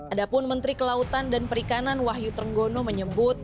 adapun menteri kelautan dan perikanan wahyu trenggono menyebut